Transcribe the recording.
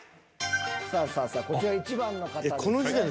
さあさあこちら１番の方ですね。